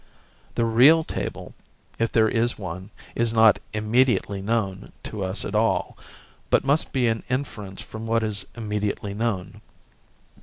The real table, if there is one, is not immediately known to us at all, but must be an inference from what is immediately known.